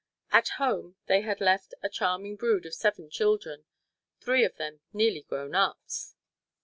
At home they had left a charming little brood of seven children, three of them nearly grown ups.